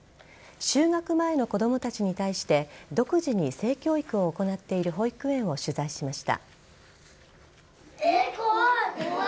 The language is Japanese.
就学前の子供たちに対して独自に性教育を行っている保育園を取材しました。